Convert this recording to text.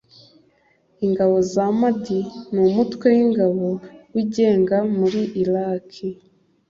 Ingabo za Mahdi ni umutwe w'ingabo wigenga muri Iraki.